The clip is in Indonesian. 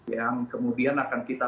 yang kemudian akan kita